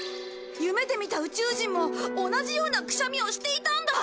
夢で見た宇宙人も同じようなくしゃみをしていたんだ！